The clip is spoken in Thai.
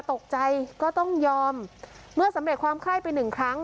ตกใจก็ต้องยอมเมื่อสำเร็จความไข้ไปหนึ่งครั้ง